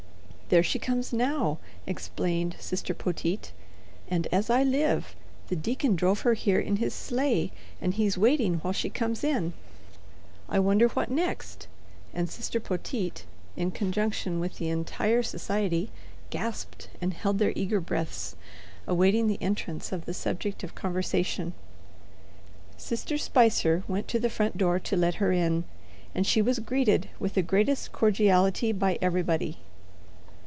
"There she comes now," explained Sister Poteet, "and as I live the deacon drove her here in his sleigh, and he's waiting while she comes in. I wonder what next," and Sister Poteet, in conjunction with the entire society, gasped and held their eager breaths, awaiting the entrance of the subject of conversation. Sister Spicer went to the front door to let her in, and she was greeted with the greatest cordiality by everybody.